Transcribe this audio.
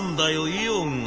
イオンが。